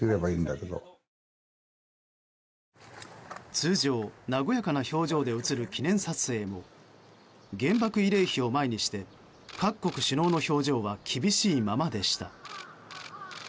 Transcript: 通常、和やかな表情で写る記念撮影も原爆慰霊碑を前にして各国首脳の表情は厳しいままでした。